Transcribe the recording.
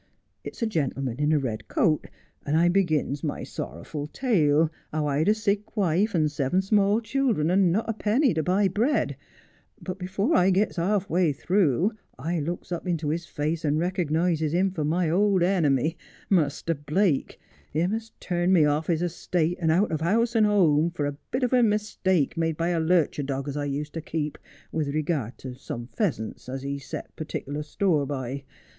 It's a gentleman in a red coat, and I begins my sorrerful tale, how I'd a, sick wife and seven small children, and not a penny to buy bread — but before I gets half way through I looks up into his face and rekernises him for my old enemy, Muster Blake, him a.s turned me off his estate and out of house and home, for a bit of a mistake made by a lurcher dog as I used to keep, with regard to some pheasants as he set partieklar store by.